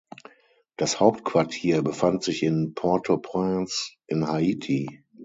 Das Hauptquartier befand sich in Port-au-Prince in Haiti.